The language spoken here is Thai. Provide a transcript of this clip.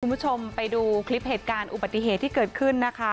คุณผู้ชมไปดูคลิปเหตุการณ์อุบัติเหตุที่เกิดขึ้นนะคะ